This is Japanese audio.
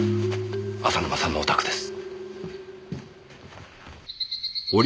浅沼さんのお宅です。